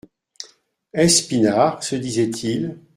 Est-ce Pinard ? se disait-il.